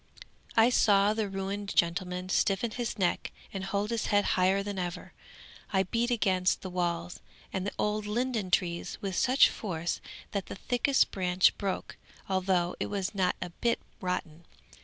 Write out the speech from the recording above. I saw the ruined gentleman stiffen his neck and hold his head higher than ever. I beat against the walls and the old linden trees with such force that the thickest branch broke, although it was not a bit rotten.